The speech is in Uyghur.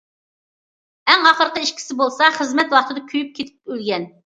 ئەڭ ئاخىرقى ئىككىسى بولسا خىزمەت ۋاقتىدا كۆيۈپ كېتىپ ئۆلگەن.